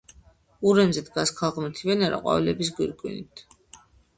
ურემზე დგას ქალღმერთი ვენერა ყვავილების გვირგვინით.